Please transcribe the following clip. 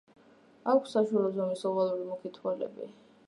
აქვს საშუალო ზომის, ოვალური, მუქი თვალები.